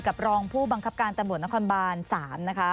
รองผู้บังคับการตำรวจนครบาน๓นะคะ